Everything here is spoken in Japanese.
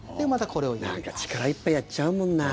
なんか力いっぱいやっちゃうもんな。